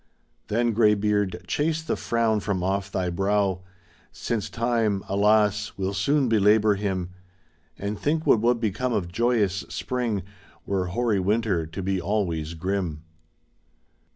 Then, greybeard, chase the frown from off thy brow, Since Time, alas ! will soon belabour him ; And think what would become of joyous Spring Were hoary Winter to be always grim.